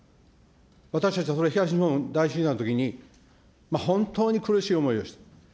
私たちはそれ、東日本大震災のときに、本当に苦しい思いをした。